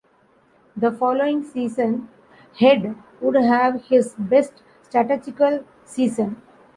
The following season, Head would have his best statistical season.